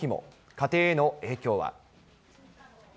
家庭への影響は。